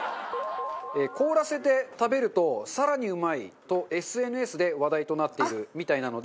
中丸：凍らせて食べると更にうまいとＳＮＳで話題となっているみたいなので。